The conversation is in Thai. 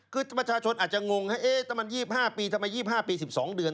คือประชาชนอาจจะงงถ้ามัน๒๕ปีทำไม๒๕ปี๑๒เดือน